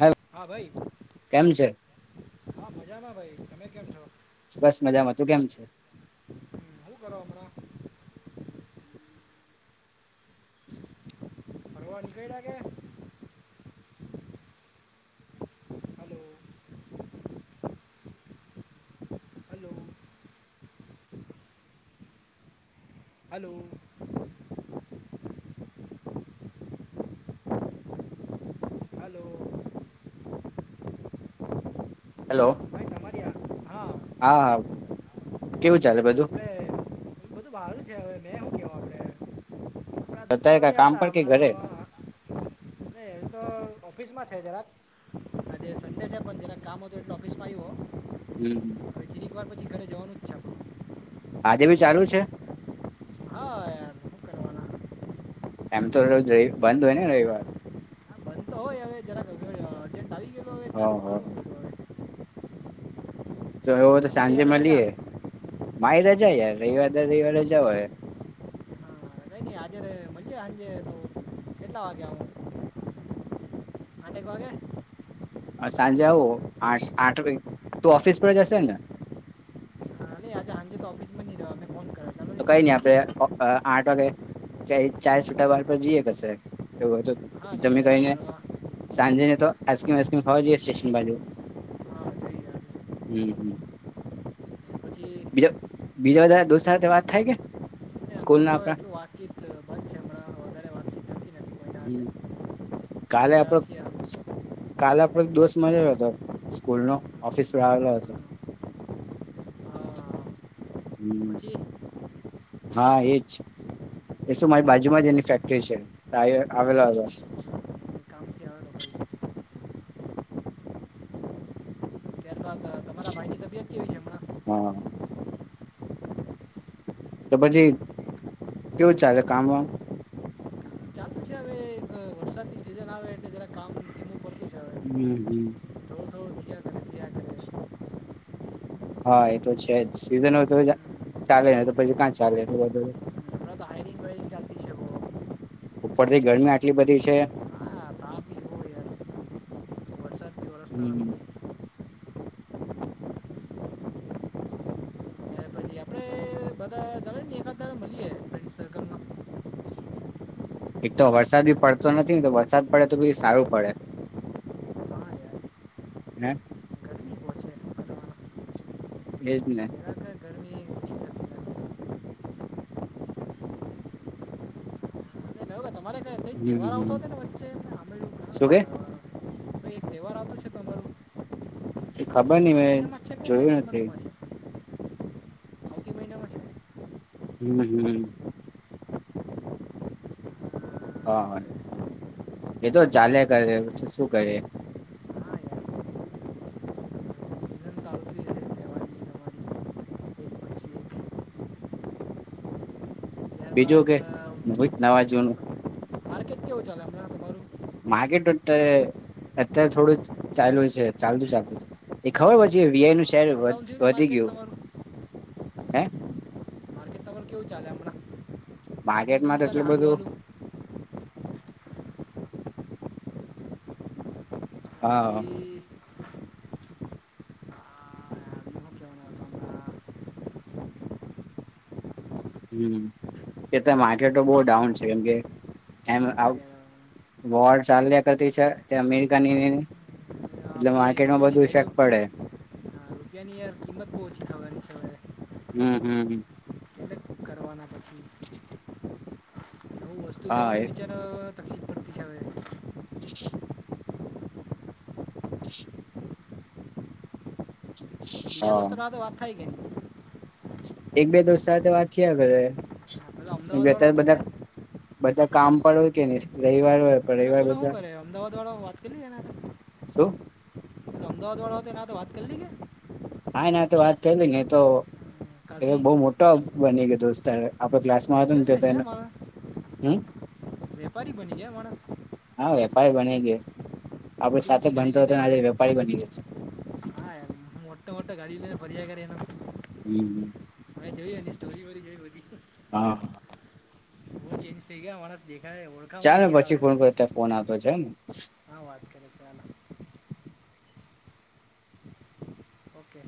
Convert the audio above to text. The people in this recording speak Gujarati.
હેલો હા ભાઈ કેમ છે હા મજામાં ભાઈ. તમે કેમ છો બસ મજામાં તું કેમ છે. હમ, શું કરો હમણાં [inaudible] [inaudible] hello. [unintelligible] Hello hello. Hello hello ભાઈ તમારી આ હા હાઅઅ કેવું ચાલે બધું? આપણે ઓ [inaudible] તો અત્યારે [inaudible] ક કામ પર કે ઘરે ઓફિસમાં છે. જરાક આજે સન્ડે છે પણ, જરાક કામ હતું એટલે ઓફિસમાં આવ્યો. હમમ એકવાર પછી ઘરે જવાનું જ છે આપ આજે ભી ચાલુ છે.? એવાના [inaudible] એમ તો રો [unintelligible] બંધ હોય ને રવિવાર. હય હવે જરા [inaudible] અજેન્ટ આવી ગયેલું હવે હા ચાલુ હા કરવું પડ્યું તો એવો હવે તો તમારી સાંજે આજે રજા મળીએ. મારી રજા યાર રવિવાર દર રવિવાર રજા હોય. હા કંઈ આજે મળીએ. સાંજે તો કેટલા વાગ્યા આવું? આઠેકવાગે હ! સાંજે આવો આઠ આઠ વાગે તું ઓફિસ પર જ શેને? આ ટપિક પણ નઈ રહ્યો [inaudible] તો નહીં કઈ નઈ આપડે અ આઠ વાગે ચાર છટાવાર પર તમને જઈએ, કશે એવું હોયતો? હા હી જરા ફળવા સાંજે ને તો આઈસ્ક્રીમ આઈસ્ક્રીમ ખાવા જઈએ સ્ટેશન બાજુ, હા જઈએ આજે [unintelligible] હમ હ પછી બીજા, બીજા બધા દોસ્ત સાથે વાત થાય કે ને સ્કૂલ હમણાં ના તો આપડા? એટલું વાતચીત બંધ છે હમણાં વધારે વાતચીત થતી નથી કોઈના હાથે હમ કાલે બહુ આપડો દાડાથી આ [unintelligible] કાલે આપડો દોસ્ત મનેલો હતો સ્કૂલ નો, ઓફિસ પર હમ, આવેલો હતો. સ્કૂલનું. હા હમમ પછી હા એજ એ શું મારી બાજુમાં જ એની ફેક્ટરી છે. આવે આવેલો હતો. કામથી આવેલો ભાઈ ત્યારબાદ અ, તમારા ભાઈની તબિયત કેવી છે હમણાં હઅઅ તો પછી કેવું ચાલે કામમાં? ચાલુ હવે એ વરસાદ ની સિઝન આવે એટલે જરા કામ ધીમું પડી હમમ કરે થયા કરે હા એ તો છે જ સિઝન હોય તો જ ચાલેને તો પછી ક્યાં ચાલે એટલ બધું. હમણાં તો હાયરિંગ વાયરિંગ ચાલતી છે બહુ ઉપરથી ગરમી આટલી બધી છે. હા તાપ બી બહુ યાર વરસાદ બી હમ વરસતો હમ નથી પ ત [unintelligible] મળીએ ફ્રેડ સર્કલમાં. એક તો વરસાદ બી પડતો નથી ને, તો વરસાદ પડે તો બી સારું પડે. હા યાર હે? ગરમી બહુ છે શું કરવાના એજ ને! જરા કાંઈ ગરમી ઓછી થતી નથી અને મેં મે [unintelligible] તમારે હમ તહેવાર [inaudible] હમ આવતો હતો ને વચ્ચે સાંભળી શું કે કંઈ તહેવાર આવતું છે તમારું? એ ખબર નઈ આ મેં મહિનામાં જ છે કે જોયું નેક્સ્ટ નથી. મંથમાં છે આવતી મહિનામાં છે હમ હમ. હા એતો ચાલ્યાં કરે પછી શું કરીએ? હા યાર સિઝન ચાલતી રહે તહેવારની તમારી એક પછી એક બીજું ત્યારબાદ કે અ, [inaudible] નવાજુનું માર્કેટ કેવું ચાલે હમણા તમારું? માર્કેટ અત્યારે અત્યારે થોડું જ ચાલ્યું છે. ચાલતું ચાલતું છે એ ખબર પછી વીઆઈ નું [inaudible] શેર સ્લો ડાઉન થયું ને વધી માર્કેટ ગયું. તમારું હે? તો કેવું ચાલે હમણાં? ધીમું માર્કેટમાં ધીમું તો ચાલે એટલું હાલું બધું હાલું હા. પછી આ, શું કહેવાના હતા હમણાં? હમ્મ એ તો માર્કેટો બહું ડાઉન છે કેમ કે એમ આવ હા યાર, વોર ચાલ્યા કરતી છે જે અમેરિકાની ઈ એટલે આપણી તેમાં રૂપિયાની બધુંય વેલ્યુ ઈફેક્ટ પળે રૂપિયાની યાર કિંમત બો ઓછી થવાની છે હવે હમ હમ હ [unintelligible] પછી [unintelligible] નવું વસ્તુ હા લેવાનો હા વિચાર તકલીફ પડતી છે હવે [inaudible] બીજા દોસ્તોના સાથે તો વાત થાય એ એક બે દોસ્ત સાથે વાત થિયા કરે પેલો અમદાવાદવાળો બેઠા ઈ હતો ત્યાં બધા બધા કામ પર હોય કે નહી રવિવાર હોય પણ પેલા રવિવાર પેલા બધા હું કરે અમદાવાદ? [unintelligible] વાત કરી એનાં સાથે [unintelligible] શું? અમદાવાદ વાળા થે એના થી વાત કરી લિએ હા એના હાથે વાત થયલી નેએ તો એ કાઝી બઉ મોટા બનેગો દોસ્તાર આપ ક્લાસમાં હતાન તો બિઝનેસમેન તો છે એને, મારા હમ્મ વેપારી બની ગયા માણસ હા હવે. પાય બનેગે આપણી મોટી સાથે મોટી ગાડી ભળતો તો લઈને ને ફરે આજે વેપારી બની જશે હા યાર મોટોમોટો ગાડી લ‌ઈને ફર્યા કરે હમ મે જોયું એની સ્ટોરીબોરી જોય બધી હા ચન્જ થઈ ગયા માણસ દે ચાલ પછી ફોન કરું અત્યાર ફોન આવતો છે હા વાત કરલે ચાલ ઓકે